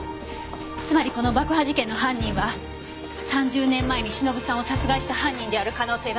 つまりこの爆破事件の犯人は３０年前に忍さんを殺害した犯人である可能性が高い。